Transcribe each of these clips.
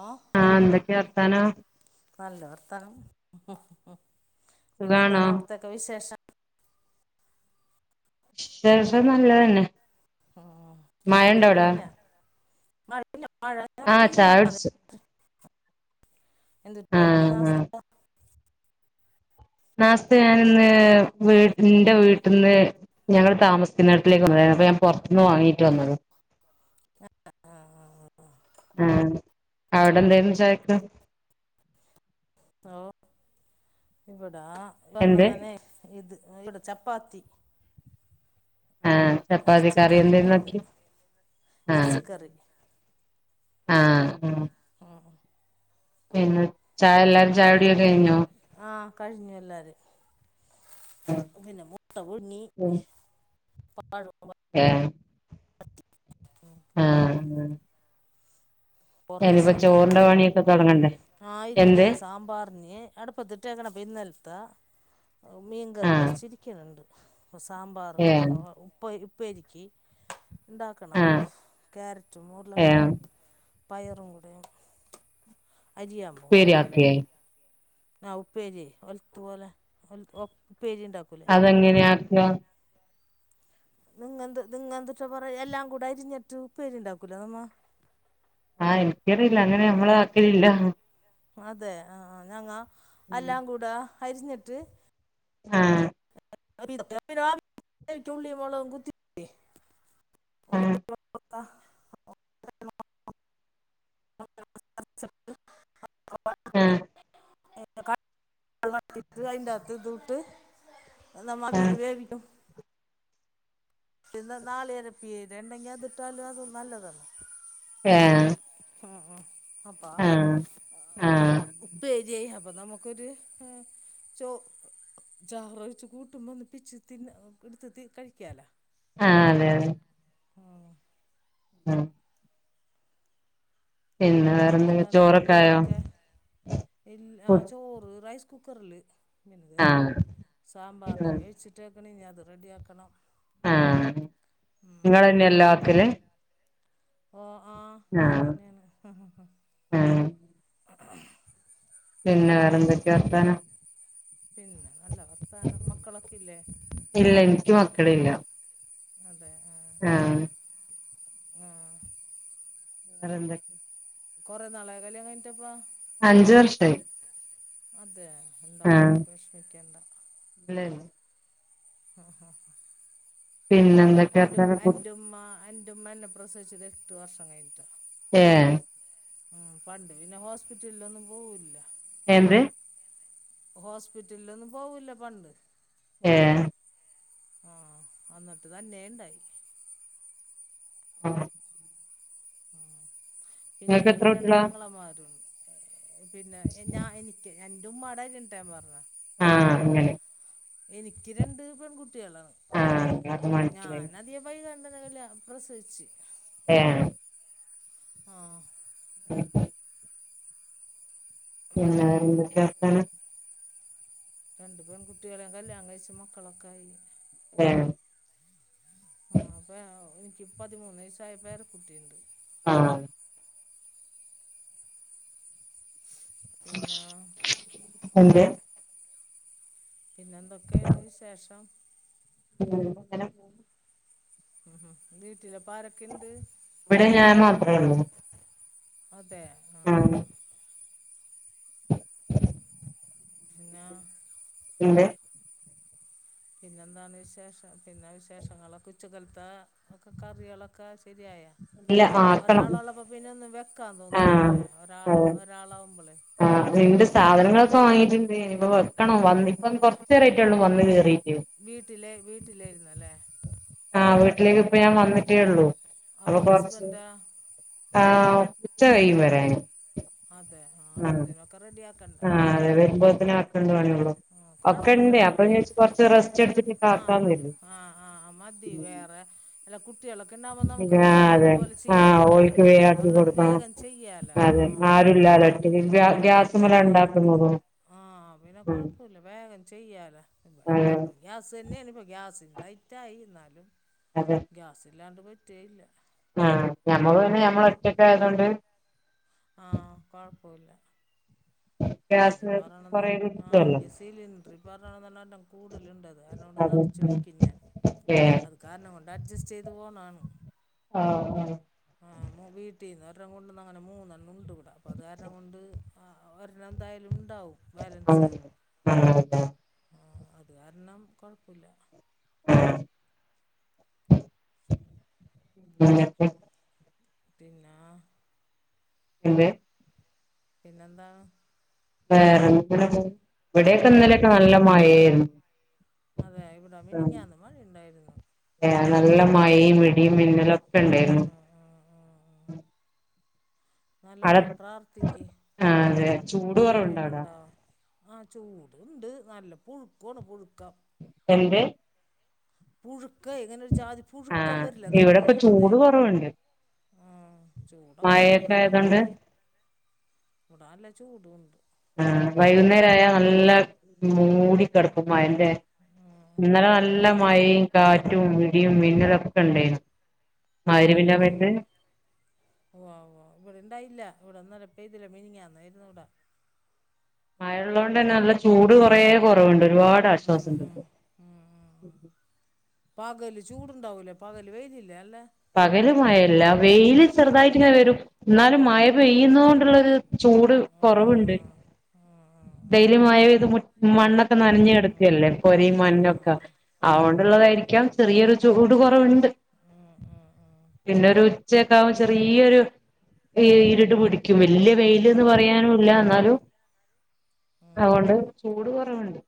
ആഹ് ആഹ് എന്തൊക്കെ വർത്താനം? നല്ല വർത്താനം സുഖാണോ പിന്നെന്താണ് അവിടത്തൊക്കെ വിശേഷം വിശേഷം നല്ലതന്നെ ഉം ചായ മഴ കുടി ഉണ്ടോ ഒക്കെ അവിടെ കഴിഞ്ഞോ മഴ ഇല്ല മഴ ആഹ് ചായ മിനിഞ്ഞാന്ന് കുടിച്ചു എന്തൂട്ടായ്നു ആഹ് ആഹ് നാസ്താ നാസ്ത ഞാനിന്ന് വീ ഇന്റെ വീട്ടിന്ന് ഞങ്ങള് താമസിക്കുന്ന വീട്ടിലേക്ക് വന്നതായിരുന്നു അപ്പ ഞാൻ പൊറത്തുന്ന് വാങ്ങിട്ട് വന്നത് ആഹ് ആഹ് ആഹ് അവിടെ എഎന്തായിരുന്നു ചായക്ക്? ഓഹ് ഇവിടാ വരെണം എന്ത് തന്നെ ഇത് ഇവിടെ ചപ്പാത്തി ആഹ് ചപ്പാത്തി കറി എർച്ചിക്കറി എന്തേരുന്നു ആക്കി ഇണ്ടായിരുന്നു ആഹ് എർച്ചിക്കറി ആഹ് ആഹ് പിന്നെ ചായ എല്ലാരും ചായുടിയൊക്കെ കഴിഞ്ഞോ? ആഹ് കഴിഞ്ഞു എല്ലാരേം പിന്നെ മുട്ട പുഴുങ്ങി പഴവും വാട്ടി ഏഹ് പ [unintelligible] ആഹ് ആഹ് കൊറേശെ എല്ലാ ചോറിന്റെ പണിയൊക്കെ തുടങ്ങണ്ടേ ആഹ് ഇല്ലതെ എന്ത് സാമ്പാറിന് അടുപ്പത്തിട്ടേക്കണെ അപ്പം ഇന്നലത്തെ മീൻകറി ആഹ് കൊറച്ചിരിക്കണണ്ട് ഇപ്പ സാമ്പാറും ഏഹ് [unintelligible] ഉപ്പേ ഉപ്പേരിക്ക് ഇണ്ടാക്കണം ആഹ് ക്യാരറ്റും ഏഹ് ഉർളക്കെഴങ്ങും പയറും കൂടെ അരിയാൻ പോകണം ഉപ്പേരി ആക്കേ ആ ഉപ്പേരി ഒലത്തുപോലെ ഉപ്പേരി ഇണ്ടാക്കൂലെ അതെങ്ങനെയ ആക്കാ? നിങ്ങെന്ത് നിങ്ങെന്ത്‌ട്ടാ പറയാ എല്ലാം കൂടെ അരിഞ്ഞിട്ട് ഉപ്പേരിണ്ടാക്കൂലാ നമ്മ ആഹ് ഇൻക്കറിയില്ല അങ്ങനെ ഞമ്മളാക്കലില്ല അതെ ആഹ് ആഹ് ഞങ്ങ എല്ലാം കൂടെ അരിഞ്ഞിട്ട് ആഹ് [inaudible] ആഹ് അഹ് [inaudible] [unintelligible] ആഹ് അതിനകത് ഇതുട്ട് നമ്മ ആഹ് ആവീല് വേവിക്കും പിന്ന നാളി അരപ്പിയത് ഇണ്ടെങ്കിൽ അത്തിട്ടാലും അത് നല്ലതാണ്. ഏഹ് ഉം ഉം അപ്പ ആഹ് ആഹ് ഉ ആഹ് ഉപ്പേരിയായി അപ്പ നമു ക്കൊരു ച്ചോ ചാറൊഴിച്ച് കൂട്ടുമ്പോ ഒന്ന് പിച്ചി തിന്ന എടുത്ത് കഴിക്കാലോ ആഹ് അതെ അതെ ആഹ് ഉം പിന്നെ വേറെന്ത പിന്നെന്താണ് ചോറൊക്കെ ആയോ കുട്ട്യാളൊക്കെ ഇല്ല ആ ചോറ് റൈസ് കുക്കറില് പിന്നതെ ആഹ് സാമ്പാറിന് വേിച്ചിട്ട് ക്കണ് ഇനി അത് റെഡിയാക്കണം ആഹ് നിങ്ങളെന്നെ എല്ലോം ആക്കല് ഓഹ് ആഹ് ഞാൻ ആഹ് തന്നെയാണ് ആഹ് പിന്നെ വേറെന്തൊക്കെയ വർത്താനം പിന്നെ നല്ല വർത്താനം മക്കളൊക്കെ ഇല്ലേ? ഇല്ല എനിക്ക് മക്കളില്ല അതെ ആഹ് ആഹ് വേറെന്തൊ കൊറേ നാളായോ കല്യാണം കഴിഞ്ഞിട്ടപ്പാ? അഞ്ച് വർഷായി അതെ ഇണ്ടാവും ആഹ് വെഷമിക്കേണ്ട [unintelligible] അഹ് അഹ് പിന്നെന്തൊക്കെയാ അന്റു വർത്താനം അന്റുമ്മ അൻ്റെ ഉമ്മ ന്നെ പ്രസവിച്ചത് എട്ട് വർഷം കഴിഞ്ഞിട്ടാ ഏഹ് ഉം പണ്ട് പിന്നെ ഹോസ്പിറ്റലിലൊന്നും പോവുല്ല എന്ത് ഹോസ്പിറ്റലിലൊന്നും പോവൂല്ല പണ്ട് ഏഹ് ഉം ആഹ് അന്നത്തത് അന്നെ ഇണ്ടായി [unintelligible] ഉം പിന്നെ നിങ്ങൾക്ക് എത്ര എനിക്ക് കുട്ടികളാ രണ്ടാങ്ങള മാരുണ്ട് പിന്നെ ഞാ എനി എന്റെ ഉമാടാര്യ ഇണ്ടാഞാപറഞ്ഞെ ആഹ് അങ്ങനെ എനിക്ക് രണ്ട് പെൺകുട്ടികളാ ആഹ് അത് മനസ്സിലായി ഞാനധി വൈകണ്ണ്ടനകല്ല പ്രസരിച്ച് ഏഹ് ആഹ് [unintelligible] പിന്നെ വേറെന്തൊക്കെ വർത്താനം രണ്ടു പെൺ കുട്ടികളെ കല്യാണം കഴിച്ച് മക്കളൊക്കെ ആയി ഏഹ് ആഹ് ഇപ്പോ ഞങ്ങള് എനിക്ക് പതിമൂന്ന് വയസായ പേരെ കുട്ടിണ്ട് ആഹ് പിന്നെ എന്ത് പിന്നെ എന്തൊക്കെയാണ് വിശേഷം ഉം ഇങ്ങനെ ഉം ഉം വീട്ടില് ഇപ്പ ആരൊക്കെ ഇണ്ട് ഇവിടെ ഞാൻ മാത്രേ ഒള്ളൂ അതെ ആഹ് പിന്നെ എന്ത് പിന്നെ എന്താണ് വിശേഷം പിന്നെ വിശേഷങ്ങളൊക്കെ ഉച്ചക്കലത്തെ ഒക്കെ കറികള് ഒക്കെ ശരിയായൊ ഇല്ല ആക്കണം ഒരാള് ഉള്ളപ്പോ പിന്നെ ഒന്നും വെക്കാൻ തോന്നൂല ആഹ് ല്ലെ ഒരാൾ അതെ ഒരാളാവുമ്പളേ ആഹ് അതിന്റെ സാധനങ്ങളൊക്കെ വാങ്ങിട്ടുണ്ട് ഇനി ഇപ്പ വെക്കണം വന്ന് ഇപ്പം കൊറച്ച് നേരം ആയിട്ട് ഉള്ളൂ വന്ന് കേറീട്ട് വീട്ടിലെ വീട്ടിലായിരുന്നു അല്ലേ ആഹ് വീട്ടിലേക്ക് ഇപ്പ ഞാൻ വന്നിട്ടേ ഉള്ളൂ അപ്പൊ അപ്പോൾ കൊറച്ച് ഹസ്ബൻഡാ ആഹ് ഉച്ച കഴിയും വരാന് അതെ ആഹ് അപ്പൽത്തിനോക്കെ റെഡി ആ ആഹ് അതെ വരുമ്പോത്തിന് ആക്കണ്ട പണിയേ ഉള്ളൂ ആഹ് കൊഴപ്പോല്ല കുട്ടി റെസ്റ്റ് എടുത്തിട്ട് ആഹ് കാക്കാന്ന് കരുതി ആഹ് ആഹ് മതി വേറെ അല്ല കുട്ടികള ണ്ടാവുമ്പോ നമുക്ക് ആഹ് വിചാരിക്കേണ്ട അതെ പോലെ ചെയ്യാൻ ആഹ് പറ്റില്ല ഓൽക്ക് വേം ഇതൊന്ന് ആക്കി പറഞ്ഞത് വേഗം ചെയ്യാലാ ആഹ് എല്ലാരും ഒറ്റക്ക് ഗ്യാ ഗ്യാസ്മ്മെലാ ഇണ്ടാക്കുന്നതും ആഹ് അപ്പ പിന്നെ കൊഴപ്പല്ല വേഗം ചെയ്യാലൊ എ അതെ എല്ലാ ഇതും ഗ്യാസ് തന്നേണ് ഇപ്പ ഗ്യാസിന് റൈറ്റ് ആയി ഇന്നാലും അതെ ഗ്യസ് ഇല്ലാണ്ട് പറ്റേ ഇല്ല ആഹ് ഞമ്മള് പിന്നെ ഞമ്മള് ഒറ്റൊക്ക് ആയത്‌ കൊണ്ട് ആഹ് കുഴപ്പോ ഇല്ല ഞാന് ഈ ഗ്യാസ് പറയണെന്ന് കൊറേ ആഹ് കിട്ടുവല്ലോ എനിക്ക് സിലിണ്ടർ [unintelligible] കൂടലുണ്ട് അത് അതിനോണ്ട് അതെ നിറച്ച് ഉം വെക്കും ഞാൻ ഏഹ് അത് കാരണം കൊണ്ട് അഡ്ജസ്റ്റ് ചെയ്തു പോണാണ് ആഹ് ആഹ് ആഹ് മു വീട്ടിൽന്ന് ഒരെണ്ണം കൊണ്ട് വന്ന അങ്ങനെ മൂന്നെണ്ണം ഉണ്ട് ഇവിടെ അപ്പം അത് കാരണം കൊണ്ട് ആ ഇന്ന് എന്തായാലും ഉണ്ടാവും ബാലൻസേ അങ്ങനെ ആഹ് അതെ ആഹ് അത് കാരണം കെഴപ്പുല്ല ആഹ് [unintelligible] പിന്നാ പിന്നെ പിന്നെന്താ വേറെ ഇങ്ങനെ പോണ് ഇവിടെ ഒക്കെ ഇന്നലെ ഒക്കെ നല്ല മഴായിരുന്നു അതെ ഇവിടെ മിനിഞ്ഞാന്ന് മഴ ഉണ്ടായിരുന്നു ഏഹ് നല്ല മഴയും ഇടിയും മിന്നലു ഒക്കെ ഉണ്ടായിരുന്നു അവിടെ നല്ലോണം പ്രാർതിഥിക്ക് ആ അതെ ചൂട് കുറവുണ്ടോ കുട്ടിയെള് അവിടെ ഇണ്ടാവാൻ ആ ചൂടുണ്ട് നല്ല പുഴുക്കമാണ് പുഴുക്ക എന്ത് പുഴുക്ക ഇങ്ങനെരു ജാതി ആ പുഴുക്കം വരില നമുക്ക് ഇവിടെപ്പ ചൂട് അതേപോ കുറവുണ്ട് മം ചൂടൊക്കെ ഇണ്ട് മഴയൊക്കെ ഇവിടാ ആയതൊണ്ട് മഴയെ ഇവിടല്ല ചൂടുണ്ട് ആ വൈകുന്നേര ആയ നല്ല മൂടി കിടക്കും മഴന്റെ ആ ഇന്നലെ നല്ല മഴ കാറ്റും ഇടിയും മിന്നൽ ഒക്കെ ഇണ്ടയിരുന്നു ആ മഗ്രിബിന്റെ സമയത്ത് ഉവ്വ ഉവ്വ ഇവിടെ ഉണ്ടായില്ല, ഇവിടെ ഇന്നലെ പെയ്തില്ലേ മീനിഞ്ഞാന്നായിരുന്നു ഇവിടെ മഴ ഉള്ളത് കൊണ്ട് തന്നെ നല്ല ചൂട് കൊറേ കുറവുണ്ട് ഒരുപാട് ആശ്വാസം ണ്ട് ഇപ്പോ മം പകല് ചൂടുണ്ടാവലേ പകൽ വെയിലില്ലേ നല്ലല്ലേ പകല് മഴ ഇല്ല വെയില് ചെറുതായിട്ട് ഇങ്ങനെ വരും, എന്നാലും മഴ പെയ്യുന്നത് കൊണ്ടുള്ളരു ചൂട് ഉം കൊറവുണ്ട് ഉം ഉം വെയിലുംമഴ പെയ്ത് മു മണ്ണൊക്കെ ഉം നനഞ്ഞു ഉം ഉം കടക്കല്ലേ പൊരിം ഉം ആ ആ മണ്ണോക്കെ ആ ആ അതുകൊണ്ടുള്ളതായിരിക്കാം ചെറിയൊരു ചൂട് കുറവുണ്ട് മം മം പിന്നെ ഒരു ഉച്ചയകോ ആകുമ്പോ ചെറിയൊരു ഈ ഇരുട്ട് പൊടി ക്കും വല്യ വെയില് പറയാനും ഇല്ല എന്നാലു ഉം അതുകൊണ്ട് ഉം ചൂട് കുറവുണ്ട്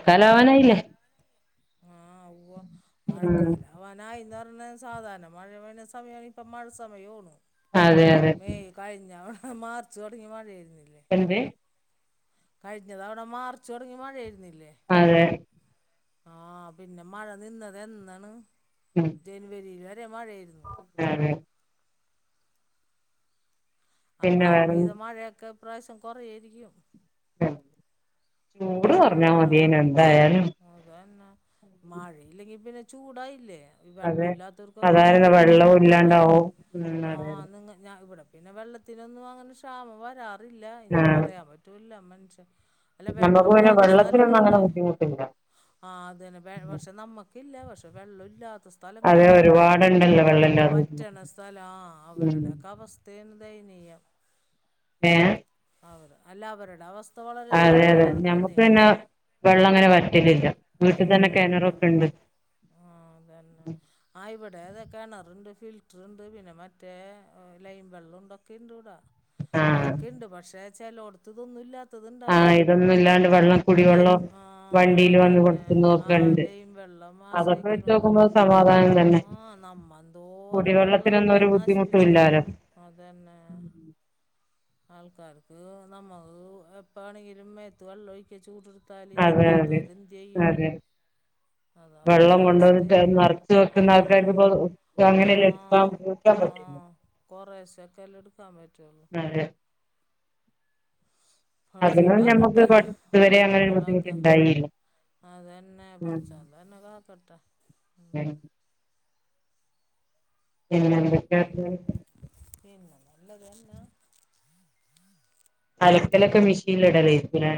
മം മം ആവാനായില്ലേ മം ആ ഉവ ഉം മഴക്കാലം അവനായിന്ന് പറഞ്ഞ സാധാരണ മഴ സമയമാണ് ഇപ്പ മഴ സമയണു അതെ അതെ കഴിഞ്ഞ അവിടെ മാർച്ച് തുടങ്ങി മഴായിരുന്നില്ലേ അതോ കഴിഞ്ഞ തവണ മാർച്ച് തുടങ്ങി മഴയായിരുന്നില്ലേ അതെ ആ പിന്നെ മഴ നിന്നത് എന്നാണ് മം ജനുവരി വരെ മഴയായിരുന്നു മം അപ്പ പിന്നെ വേറെ അപെയ്ത മഴയൊക്കെ പ്രാവശ്യം കുറായിരിക്കും ചൂട് അതാണ് കുറഞ്ഞാൽ മഴ കൊറ മതിയേനു എന്തായാലും അതന്നെ മഴ ഇല്ലെങ്കിൽ പിന്നെ ചൂടായില്ലേ വെള്ള അതെ ഇല്ലാത്തവർക്കൊക്കെ അതായിരുന്നു ഭയങ്കര വെള്ളവും ബുദ്ധിമുട്ടും അല്ലേ, ഇല്ലാണ്ടാവും ഉം ആ അതെ അതെ നിങ്ങ ഇവിടെ പിന്നെ വെള്ളത്തി ത്തിനൊന്നും അങ്ങനെ ക്ഷാമം വരാറില്ല ഇനി ആഹ് പറയാൻ പറ്റുല്ല മനുഷ്യൻ നമുക്ക് പിന്നെ വെള്ളല്ലാത്ത വെള്ളത്തിനൊന്നും അങ്ങനെ സ്ഥലങ്ങണ്ടാവേ ബുദ്ധിമുട്ടില്ല ആഹ് അതന്നെ പക്ഷെ നമ്മക്കില്ല പക്ഷെ വെള്ളം ഇല്ലാത്ത സ്ഥലങ്ങള് അതെ ഉണ്ടാവേ ഒരുപാടുണ്ടല്ലോ വെള്ളല്ലാതെ ബുദ്ധിമുട്ട് വറ്റണ സ്ഥല ആ ഉം അവരുടെകവസ്ഥ ണ്ട് ദയനീയം ഏഹ് അവര് അല്ല അവരുടെ അവസ്ഥ വളരെ ദെ അതെതെ നമക്ക് പിന്നെ വെള്ളം അങ്ങനെ വറ്റലില്ല വീട്ടിൽ തന്നെ കിണറൊക്കെ ഉണ്ട് ആഹ് അതന്നെ ആ ഇവിടെഅതെ കിണറണ്ട് ഫിൽറ്റർ ഉണ്ട് പിന്നെ മറ്റേ ലൈൻ വെള്ളം ഉണ്ടൊക്കെ ഇണ്ട്ഇവടാ ആഹ് ഒക്കെുണ്ട് പക്ഷേ ച്ചാലോടുത്തതൊന്നും ഇല്ലാത്ത ആഹ ഇതൊന്നും ഇല്ലാണ്ട് വെള്ളം ലെയം കുടിവെള്ളം ആഹ വണ്ടിയിൽ വന്ന് അത്തന്നെ കൊടുക്കുന്നതൊക്കെ ആഹ ഉണ്ട് ലെയം വെള്ളം അതൊക്കെ വെച്ച് ആശ്രയിക്കുന്ന ഓട് നോക്കുമ്പോ സമാധാനം തന്നെ ആഹ നമ്മെന്തോരം വെള്ളം കുടിവെള്ളത്തിനൊന്നും ഒരു ബുദ്ധിമുട്ടും നശിപ്പിച്ചു ഇല്ലാലോ കളയന്ന് അതനെ ആൾക്കാർക്ക് നമ്മക്ക് എപ്പാണെങ്കിലും മേത്ത് വെള്ളം ഒഴിക്ക ചൂട് ത്തല് ഇതി അതെ അതെ ഇല്ലാത്തവരെന്ത് ചെയ്യും അതെ അത് വെള്ളം അവരൊക്കെ കൊണ്ടുവന്നിട്ട് അവസ്ഥേന്നെ നിറച്ച് വെക്കുന്ന ആൾക്കാർക്ക് ആഹ് ഇപ്പോ അങ്ങനെല്ല ആഹ കുറേശേ എക്കെ അല്ലെ എടുക്കാൻ പറ്റുള്ളൂ അതെ പടച്ചോൻ അതിനും ഞമ്മക്ക് കാാക്കട്ടെ ഇതുവരെ അങ്ങനെ ഒരു നമ്മളൊക്കെ ബുദ്ധിമുട്ടുണ്ടായില്ല അതനെ പടച്ചോ അനെകകട്ട ഏയ്‌ പിന്നെന്ത്ണ്ട് പിനെ പിനെ ഒന്നുല നല്ലത്തന്നെ അലക്കലൊക്കെ മെഷീനിൽ ഇടൽ ആയിരിക്കുലെ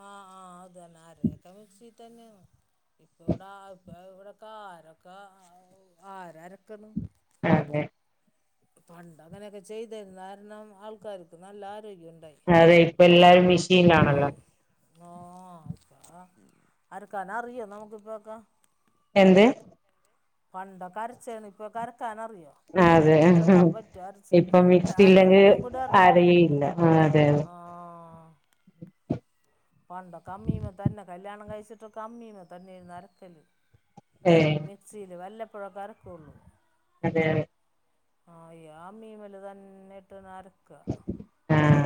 ആഹ ആഹ് അതന്നെ ആരൊക്കെ മിക്സി തന്നെയാണ് ഇപ്പ ഇവിട ഇപ്പ ഇവിടെക്ക ആാരൊക്കെ ആരാരക്കുന്നു അതെ പണ്ട് അങ്ങനെയൊക്കെ ചെയ്തരുന്ന കാരണം ആൾക്കാർക്ക് നല്ല ആരോഗ്യം ഉണ്ടായി അതെ ഇപ്പൊ എല്ലാരും മെഷീൻാണല്ലോ ആഹ അരക്കാന് അറിയോ നമുക്കിപ്പൊക്കെ എന്തെ പണ്ടൊ കരച്ചാണ് ഇപ്പൊ അരക്കാൻറിയോ അതെ അരക്കാൻ പറ്റോ അരച്ചാ ഇപ്പൊ മിക്സി ഇല്ലെങ്കിൽ അങ്ങനെയന്നും കൂടെ അറിഞ്ഞൂടാ അരയേയില്ല ആഹ് അതെ അതെ ആഹ പണ്ട് ഒക്കെ അമ്മീമ്മ തന്നെ കല്യാണം കഴിച്ചിട്ട് കമ്മീമ്മ തന്നെ ആയിരുന്നു അരക്കല് ഏയ്‌ മിക്സിയിൽ വല്ലപ്പഴും ഒക്കെ അരക്കുള്ളൂ അതെ അതെ ആഹ അ്യാ മീമല് തന്നെ ഇട്ട് അരക്ക ആഹ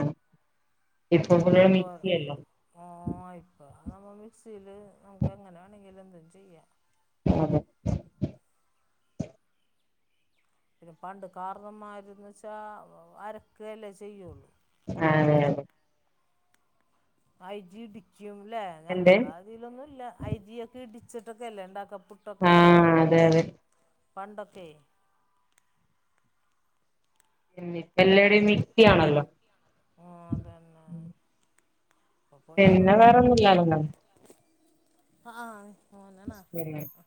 ഇപ്പൊ കൂടി മിക്സിയല്ലോ ഓ ആയിപ്പ നമ്മൾ മിക്സിയിൽ നമുക്ക് എങ്ങനൊേണമെങ്കിൽ എന്തും ചെയ്യാം ആഹ പിന്നെ പണ്ട് കാരണംമാരന്ന് വെച്ചാൽ അരക്കയല്ലേ ചെയ്യുള്ളൂ ആഹ അങ്ങനെ ഐ ജി ഇടിക്കുംല്ലെ എന്ത് ഞങ്ങള ഇതിലൊന്നും ഇല്ല ഐ ജി ഒക്കെ ഇടിച്ചിട്ടൊക്കെ അല്ലേ ഉണ്ടാക്ക പു ട് ഒക്കെ ആഹ് അതെ അതെ പണ്ടൊക്കെ ഇനിപ്പോ എലിടെ മിക്സി ആണല്ലോ ആഹ അതന്നെ പിന്നെ വേറെന്നുമ ഇല്ലോണ്ട ആഹ മോനാണോ പിന്നെ ഹഹഹാ